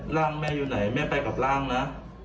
ร่างแม่อยู่ไหนแม่ไปกับร่างนะ